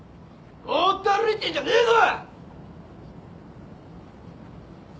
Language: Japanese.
ぼーっと歩いてんじゃねえぞ！